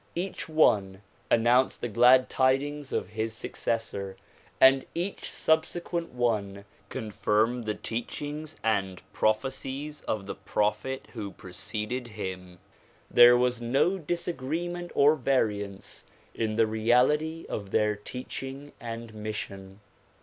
Each one announced the glad tidings of his successor and each subsequent one confirmed the teachings and prophecies of the prophet who preceded him. There was no dis agreement or variance in the reality of their teaching and mission.